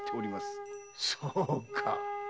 そうか。